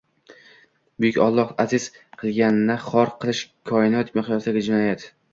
Buyuk Alloh aziz qilganni xor qilish – Koinot miqyosidagi jinoyat.